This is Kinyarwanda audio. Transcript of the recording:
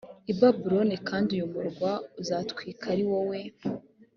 i babuloni kandi uyu murwa uzatwikwa ari wowe